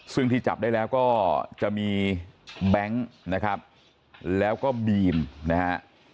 ซึ่งที่จับได้แล้วก็จะมีแบงค์นะครับแล้วก็บีมนะฮะ